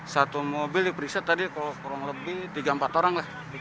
satu mobil diperiksa tadi kurang lebih tiga empat orang